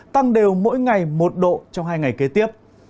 tăng đều mỗi ngày một độ trong hai ngày kế tiếp